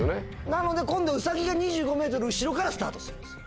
なので今度ウサギが２５ｍ後ろからスタートするんですよ。